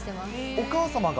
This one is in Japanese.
お母様が？